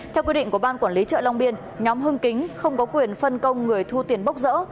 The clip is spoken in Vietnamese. theo quy định của ban quản lý chợ long biên nhóm hưng kính không có quyền phân công người thu tiền bốc rỡ